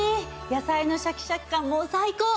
野菜のシャキシャキ感も最高。